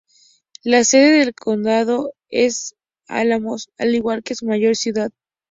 La sede del condado es Los Álamos, al igual que su mayor ciudad.